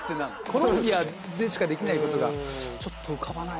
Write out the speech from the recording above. コロンビアでしかできないことがちょっと浮かばない。